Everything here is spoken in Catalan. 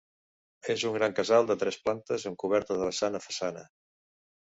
És un gran casal de tres plantes amb coberta de vessant a façana.